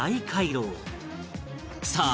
さあ